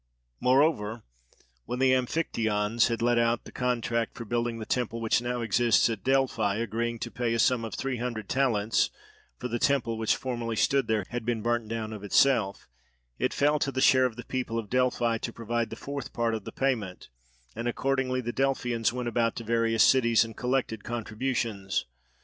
Moreover when the Amphictyons had let out the contract for building the temple which now exists at Delphi, agreeing to pay a sum of three hundred talents (for the temple which formerly stood there had been burnt down of itself), it fell to the share of the people of Delphi to provide the fourth part of the payment; and accordingly the Delphians went about to various cities and collected contributions.